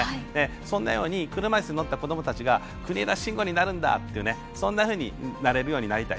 そんなように車いすに乗った子どもたちが国枝慎吾になりたいってそんなふうになれるようになりたい。